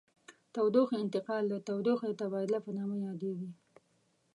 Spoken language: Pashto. تودوخې انتقال د تودوخې د تبادل په نامه یادیږي.